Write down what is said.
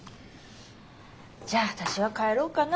じゃあ私は帰ろうかな。